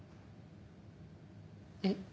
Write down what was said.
えっ。